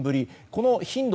この頻度